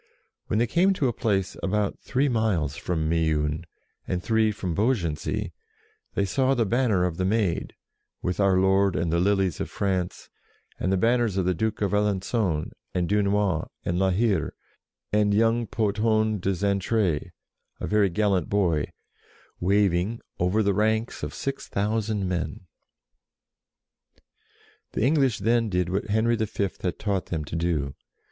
When they came to a place about three miles from Meun, and three from Beaugency, they saw the banner of the Maid, with Our Lord and the Lilies of France, and the banners of the Duke of Alengon, and Dunois, and La Hire, and young Pothon de Xaintrailles, a very gallant boy, waving over the ranks of 6000 men. The English then did what Henry V. had taught them to do.